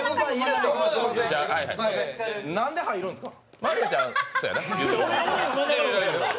なんで入るんですか？